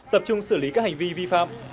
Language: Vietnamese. tập trung xử lý các hành vi vi phạm